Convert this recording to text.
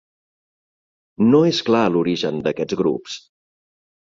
No és clar l'origen d'aquests grups.